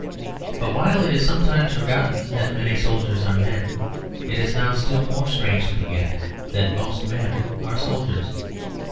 But while it is sometimes forgotten that many soldiers are men, it is now still more strange to forget that most men are soldiers.